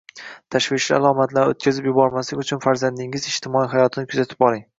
Tashvishli alomatlarni o‘tkazib yubormaslik uchun farzandingizning ijtimoiy hayotini kuzatib boring.